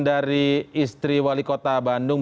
dari istri wali kota bandung